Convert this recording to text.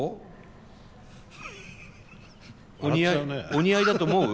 お似合いだと思う？